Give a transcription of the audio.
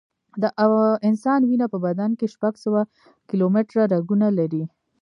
د انسان وینه په بدن کې شپږ سوه کیلومټره رګونه لري.